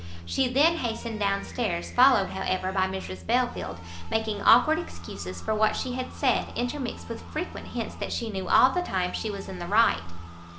She then hastened down stairs, followed, however, by Mrs Belfield, making awkward excuses for what she had said, intermixed with frequent hints that she knew all the time she was in the right.